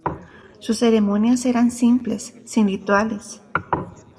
Sus ceremonias eran simples, sin rituales.